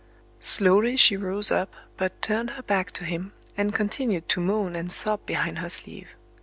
Slowly she rose up, but turned her back to him, and continued to moan and sob behind her sleeve.